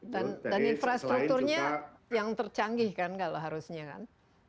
dan infrastrukturnya yang tercanggih kan kalau harusnya kan